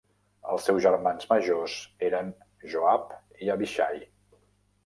Els seus germans majors eren Joab i Abishai.